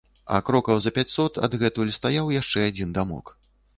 А крокаў за пяцьсот адгэтуль стаяў яшчэ адзін дамок.